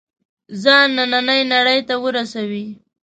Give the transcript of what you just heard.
ځان نننۍ نړۍ ته ورسوي.